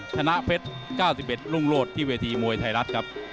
ชนะเพชร๙๑รุ่งรวด